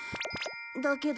だけど。